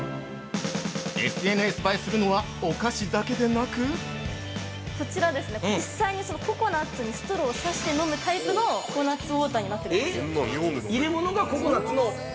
ＳＮＳ映えするのはお菓子だけでなく◆こちら、実際にココナッツにストローをさして飲むタイプのココナッツウォーターになってます。